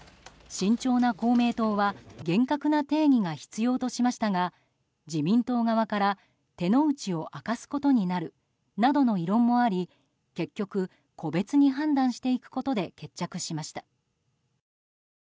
慎重な公明党は厳格な定義が必要としましたが自民党側から手の内を明かすことになるなどの異論もあり結局、個別に判断していくことで決着しました。